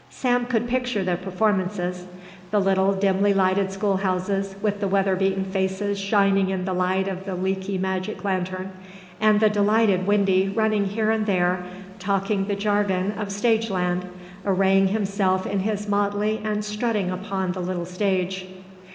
Sam could picture the performances, the little dimly lighted schoolhouses with the weatherbeaten faces shining in the light of the leaky magic lantern, and the delighted Windy running here and there, talking the jargon of stageland, arraying himself in his motley and strutting upon the little stage.